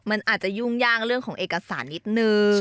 มันอาจจะยุ่งยากเรื่องของเอกสารนิดนึง